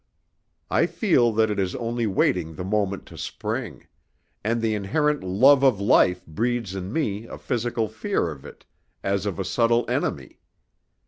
I feel that it is only waiting the moment to spring; and the inherent love of life breeds in me a physical fear of it as of a subtle enemy.